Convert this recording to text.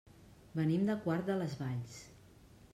Venim de Quart de les Valls.